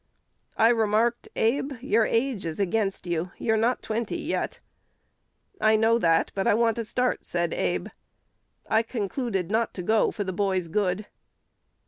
I remarked, 'Abe, your age is against you: you are not twenty yet.' 'I know that, but I want a start,' said Abe. I concluded not to go for the boy's good."